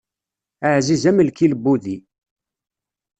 Aɛziz am lkil n wudi.